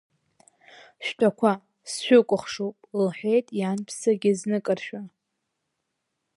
Шәтәақәа, сшәыкәыхшоуп, — лҳәеит ианԥсагьы зныкыршәа.